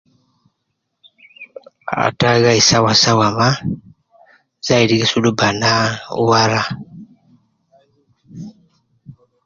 Atta gayi sawasawa maa zaidi gi sibu banaa wara